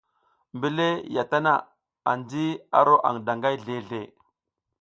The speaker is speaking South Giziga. Mbela ya tana, anji a ro aƞ daƞgay zleʼzle.